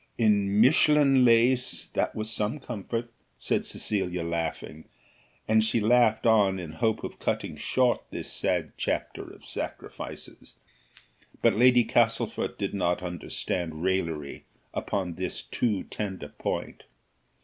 "In Mechlin lace, that was some comfort," said Cecilia laughing, and she laughed on in hope of cutting short this sad chapter of sacrifices. But Lady Castlefort did not understand raillery upon this too tender point.